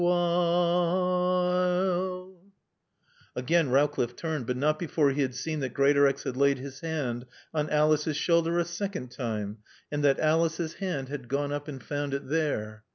Again Rowcliffe turned; but not before he had seen that Greatorex had his hand on Alice's shoulder a second time, and that Alice's hand had gone up and found it there.